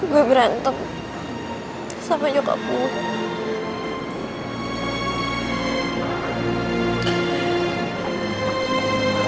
gue berantem sama nyokap gue